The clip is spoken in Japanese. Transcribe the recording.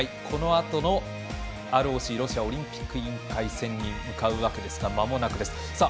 このあとのＲＯＣ＝ロシアオリンピック委員会戦に向かうわけですがまもなくです。